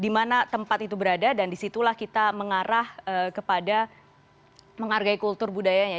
di mana tempat itu berada dan disitulah kita mengarah kepada menghargai kultur budayanya